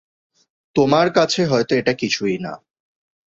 তোমার কাছে হয়তো এটা কিছুই না।